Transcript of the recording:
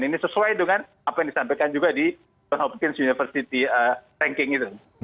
ini sesuai dengan apa yang disampaikan juga di down opkins university ranking itu